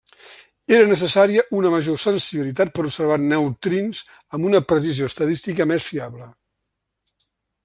Era necessària una major sensibilitat per observar neutrins amb una precisió estadística més fiable.